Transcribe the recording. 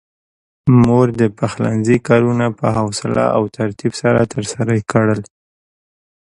مور د پخلنځي کارونه په حوصله او ترتيب سره ترسره کړل.